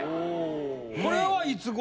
これはいつ頃？